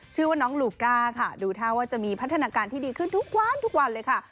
ชื่อว่าน้องลูก้าค่ะดูท่าว่าจะมีพัฒนาการที่ดีขึ้นทุกวันทุกวันเลยค่ะ